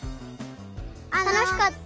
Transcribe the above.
たのしかった！